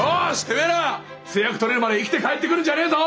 てめえら成約取れるまで生きて帰ってくるんじゃねえぞ！